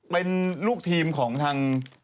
เป็นลูกทีมของทาง